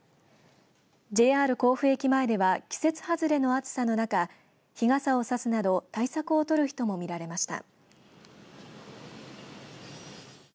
ＪＲ甲府駅前では季節外れの暑さの中日傘を差すなど対策を取る人も見られました。